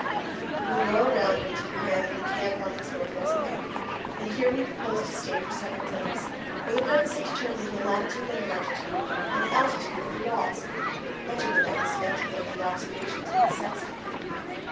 We row around into the Grand and camp on its northwest bank; and here we propose to stay several days, for the purpose of determining the latitude and longitude and the altitude of the walls. Much of the night is spent in making observations with the sextant.